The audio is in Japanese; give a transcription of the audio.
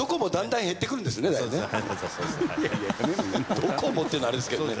どこもってのはあれですけど。